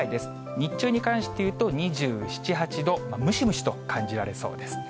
日中に関していうと２７、８度、ムシムシと感じられそうです。